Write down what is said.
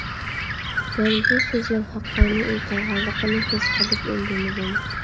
مەن بۇ سۆزنىڭ ھەققانىي ئېيتىلغانلىقىنى ھېس قىلىپ ئۈندىمىدىم.